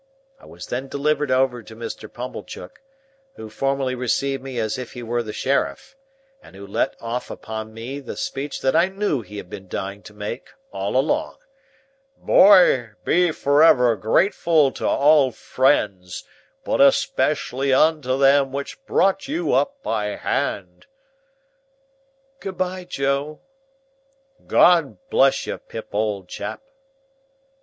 I was then delivered over to Mr. Pumblechook, who formally received me as if he were the Sheriff, and who let off upon me the speech that I knew he had been dying to make all along: "Boy, be forever grateful to all friends, but especially unto them which brought you up by hand!" "Good bye, Joe!" "God bless you, Pip, old chap!"